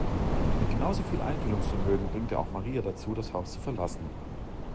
Mit genauso viel Einfühlungsvermögen bringt er auch Maria dazu, das Haus zu verlassen.